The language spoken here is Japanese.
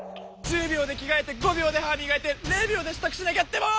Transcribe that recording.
１０秒で着がえて５秒で歯みがいて０秒でしたくしなきゃってもう！